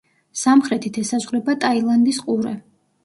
სამხრეთით ესაზღვრება ტაილანდის ყურე.